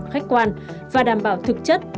khách quan và đảm bảo thực chất